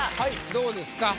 どうですか？